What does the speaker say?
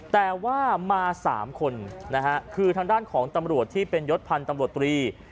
แต่ว่ามา๓คนนะฮะคือทางด้านของตำรวจที่เป็นยศพันธ์ตำรวจตรี